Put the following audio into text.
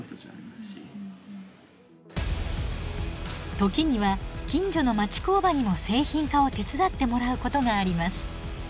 時には近所の町工場にも製品化を手伝ってもらうことがあります。